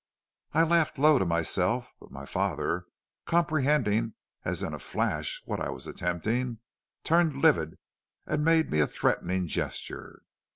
"'I laughed low to myself, but my father, comprehending as in a flash what I was attempting, turned livid and made me a threatening gesture.'